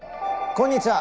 こんにちは。